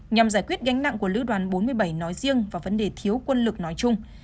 nhằm giải quyết gánh nặng của lữ đoàn bốn mươi bảy nói riêng và vấn đề thiếu quân lực nói chung